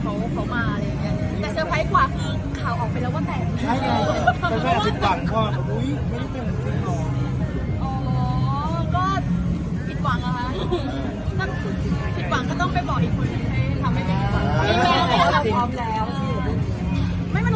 เป็นเวลามาถึงเวลานั้น